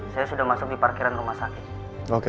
saya sudah masuk di parkiran rumah sakit